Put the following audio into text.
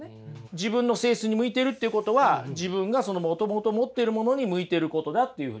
自分の性質に向いているっていうことは自分がもともと持ってるものに向いてることだっていうふうに。